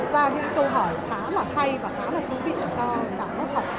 các bác học